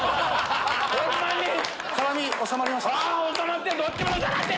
辛み収まりました？